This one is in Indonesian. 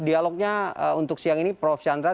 dialognya untuk siang ini prof chandra